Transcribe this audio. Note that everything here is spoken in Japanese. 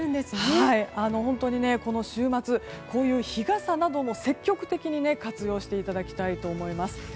本当に、この週末こういう日傘なども積極的に活用していただきたいと思います。